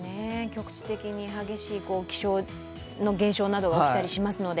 局地的に激しい気象現象が起きたりしますので。